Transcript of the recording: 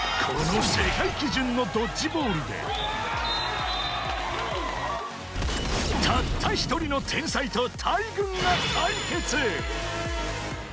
この世界基準のドッジボールでたった一人の天才と大群が対決